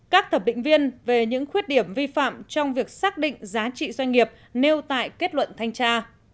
các thẩm định viên về những khuyết điểm vi phạm trong việc xác định giá trị doanh nghiệp nêu tại kết luận thanh tra